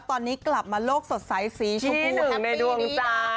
ตอนนี้กลับมาโลกสดใสสีชูกูแฮปปี้นี้ค่ะ